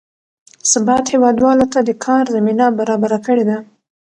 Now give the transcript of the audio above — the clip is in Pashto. ثبات هېوادوالو ته د کار زمینه برابره کړې ده.